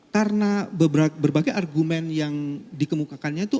karena berbagai argumen yang dikemukakannya itu